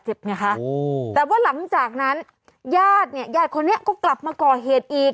แต่ว่าหลังจากนั้นญาติเนี่ยญาติคนนี้ก็กลับมาก่อเหตุอีก